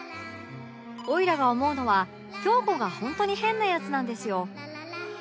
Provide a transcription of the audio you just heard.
「おいらが思うのは京子がほんとに変なやつなんですよ」